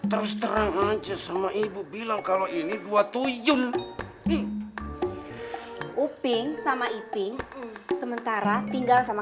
ous tiga puluh enam terang aja sama ibu bilang kalau ini dua tujun meet upy sama iping sementara tinggal sama